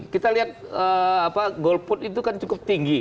kita lihat golput itu kan cukup tinggi